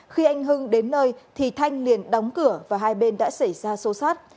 khi anh hưng đến nơi thì thanh liền đóng cửa và hai bên đã xảy ra xô xát